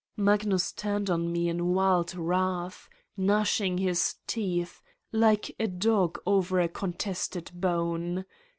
Magnus turned on me in wild wrath, gnashing his teeth, like a dog over a contested bone.